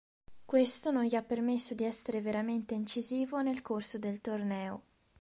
Questo non gli ha permesso di essere veramente incisivo nel corso del torneo.